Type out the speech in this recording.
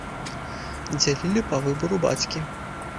Дзялілі па выбару бацькі.